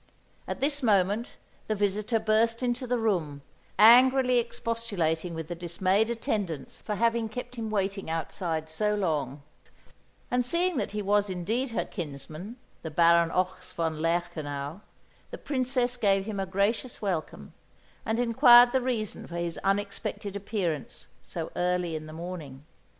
At this moment the visitor burst into the room, angrily expostulating with the dismayed attendants for having kept him waiting outside so long; and seeing that he was indeed her kinsman, the Baron Ochs von Lerchenau, the Princess gave him a gracious welcome and inquired the reason for his unexpected appearance so early in the morning.